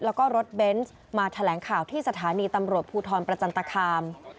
แล้วก็รถเบนส์มาแถลงข่าวที่สถานีตำรวจภูทรประจันตคาม